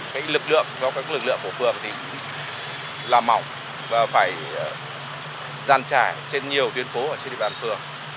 cái lực lượng của phường thì làm mỏng và phải gian trải trên nhiều tuyến phố ở trên địa bàn phường